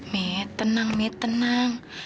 mit tenang mit tenang